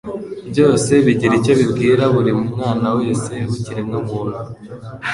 byose bigira icyo bibwira buri mwana wese w'ikiremwamuntu :